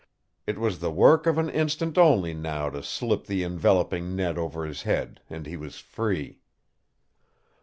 It was the work of an instant only, now, to slip the enveloping net over his head and he was free.